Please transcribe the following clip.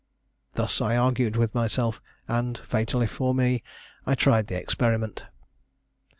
Thus I argued with myself; and, fatally for me, I tried the experiment.